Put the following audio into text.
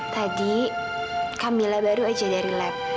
tadi camilla baru aja dari lab